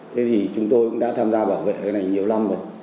thế thì chúng tôi đã tham gia bảo vệ cái này nhiều lần rồi